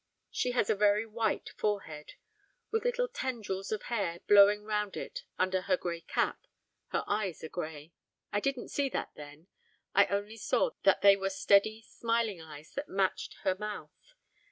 She has a very white forehead, with little tendrils of hair blowing round it under her grey cap, her eyes are grey. I didn't see that then, I only saw they were steady, smiling eyes that matched her mouth.